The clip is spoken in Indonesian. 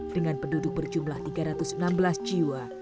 dengan penduduk berjumlah tiga ratus enam belas jiwa